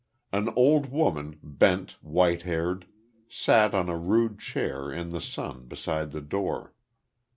An old woman, bent, white haired, sat on a rude chair, in the sun, beside the door.